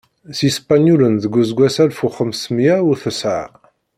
S Yispenyulen deg useggas alef u xems mya u tesɛa.